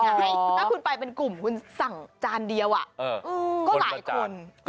ถ้าคุณไปเป็นกลุ่มคุณสั่งจานเดียวก็หลายคน